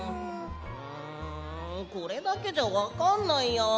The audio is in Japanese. んこれだけじゃわかんないや。